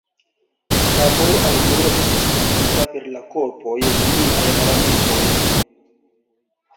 La vojo al gloro estas konstruita per la korpoj de niaj malamikoj.